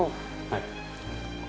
はい。